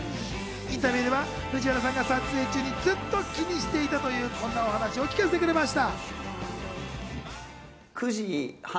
インタビューでは藤原さんが撮影中にずっと気にしていたというこんなお話を聞かせてくれました。